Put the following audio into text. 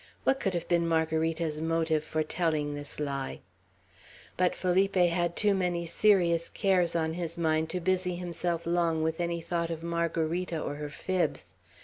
What could have been Margarita's motive for telling this lie? But Felipe had too many serious cares on his mind to busy himself long with any thought of Margarita or her fibs.